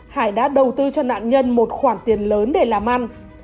hải đã đầu tư cho nạn nhân một khoản tiền lớn để làm ăn